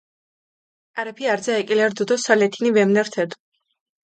კარეფი არძა ეკილერი რდუ დო სოლეთინი ვემნირთედუ.